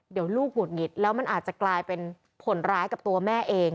เดี๋ยวลูกหุดหงิดแล้วมันอาจจะกลายเป็นผลร้ายกับตัวแม่เอง